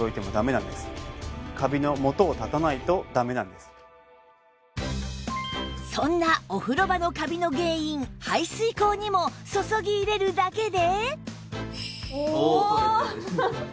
ですからいくらそんなお風呂場のカビの原因排水口にも注ぎ入れるだけで